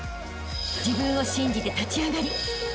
［自分を信じて立ち上がりあしたへ